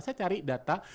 saya cari data